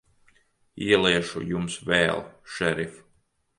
Ieliešu Jums vēl, šerif.